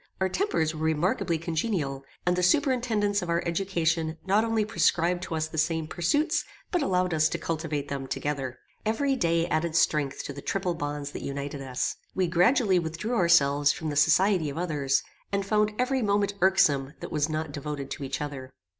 Our tempers were remarkably congenial, and the superintendants of our education not only prescribed to us the same pursuits, but allowed us to cultivate them together. Every day added strength to the triple bonds that united us. We gradually withdrew ourselves from the society of others, and found every moment irksome that was not devoted to each other.